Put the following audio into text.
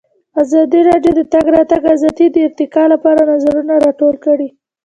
ازادي راډیو د د تګ راتګ ازادي د ارتقا لپاره نظرونه راټول کړي.